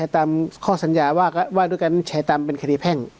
ตามข้อสัญญาว่าด้วยการใช้ตามเป็นคดีแพ่ง